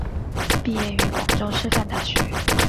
毕业于广州师范大学。